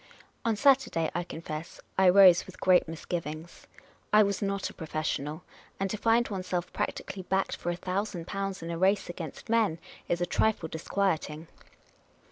On Saturday, I confess, I rose with great misgivings. I was not a professional ; and to find oneself practically backed for a thousand pounds in a race against men is a trifle dis quieting.